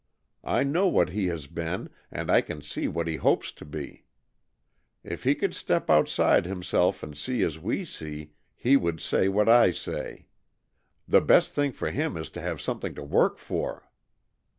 I know what he has been, and I can see what he hopes to be. If he could step outside himself and see as we see, he would say what I say. The best thing for him is to have something to work for."